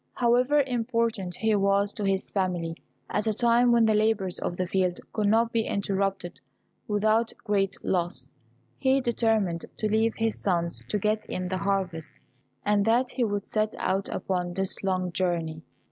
However important he was to his family at a time when the labours of the field could not be interrupted without great loss, he determined to leave his sons to get in the harvest, and that he would set out upon this long journey.